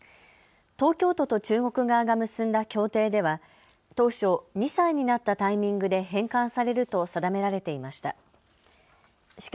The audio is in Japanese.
東京都と中国側が結んだ協定では当初、２歳になったタイミングで返還されると定められていました。